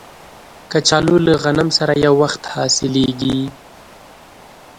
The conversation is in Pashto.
کچالو له غنم سره یو وخت حاصلیږي